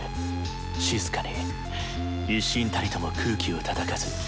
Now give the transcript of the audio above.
静かに一震たりとも空気をたたかず。